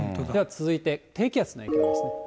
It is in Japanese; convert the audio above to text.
では続いて、低気圧の影響です。